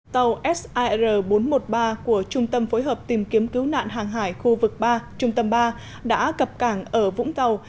tàu sir bốn trăm một mươi ba của trung tâm phối hợp tìm kiếm cứu nạn hàng hải khu vực ba đã cập cảng ở vũng tàu